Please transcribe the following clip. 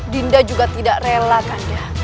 dinda juga tidak rela kanda